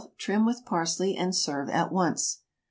Trim with parsley and serve at once.